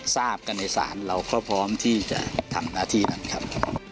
ทราบกันในศาลเราก็พร้อมที่จะทำหน้าที่นั้นครับ